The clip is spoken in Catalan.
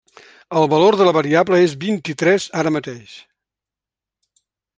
El valor de la variable és vint-i-tres ara mateix.